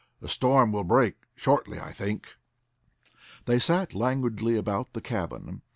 "The storm will break shortly, I think." They sat languidly about the cabin.